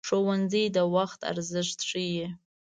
ښوونځی د وخت ارزښت ښيي